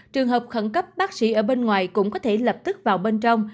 trường hợp khẩn cấp bác sĩ ở bên ngoài cũng có thể lập tức vào bên trong